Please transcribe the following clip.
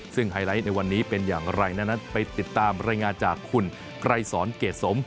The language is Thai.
ซึ่งไฮไลท์ในวันนี้เป็นอย่างไรนั้นไปติดตามรายงานจากคุณไกรสอนเกรดสม